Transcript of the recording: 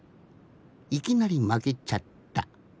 いきなりまけちゃった。